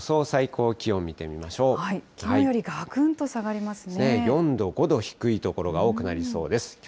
最高気温を見てみきのうよりがくんと下がりま４度、５度低い所が多くなりそうです。